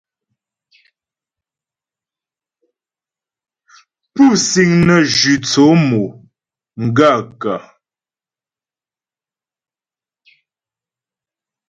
Pú síŋ nə́ zhʉ́ tsó mo gaə̂kə́ ?